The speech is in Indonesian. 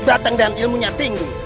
datang dan ilmunya tinggi